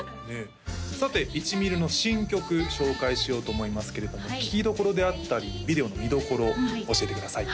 さていちみるの新曲紹介しようと思いますけれども聴きどころであったりビデオの見どころ教えてください